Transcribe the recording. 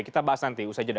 kita bahas nanti usai jeda